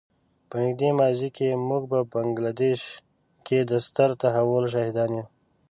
په نږدې ماضي کې موږ په بنګله دېش کې د ستر تحول شاهدان یو.